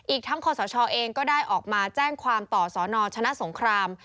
อีกทั้งคศเองก็ได้ออกมาแจ้งความต่อสนชนะสงคราม